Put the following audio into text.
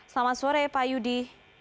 selamat sore pak yudi